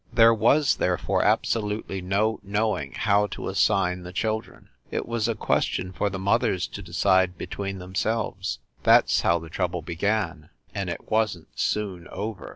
There was, therefore, absolutely no knowing how to assign the children. It was a question for the mothers to decide between themselves. That s how the trouble began; and it wasn t soon over.